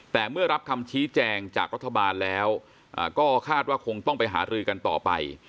แต่เมื่อรับคำชี้แจงจากรัฐบาลแล้วก็คาดว่าคงต้องไปหารือกันต่อไป